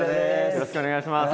よろしくお願いします！